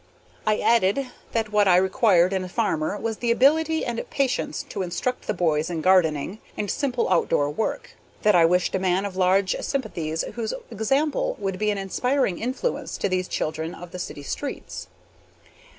I added that what I required in a farmer was the ability and patience to instruct the boys in gardening and simple outdoor work; that I wished a man of large sympathies whose example would be an inspiring influence to these children of the city streets.